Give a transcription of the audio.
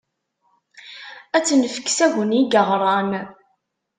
Ad tt-nefk s Agni Ggeɣran.